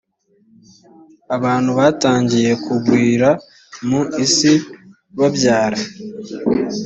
abantu batangiye kugwira mu isi babyara